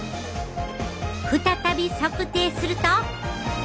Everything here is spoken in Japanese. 再び測定すると。